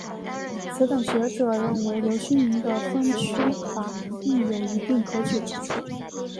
此等学者认为刘勋宁的分区法亦有一定可取之处。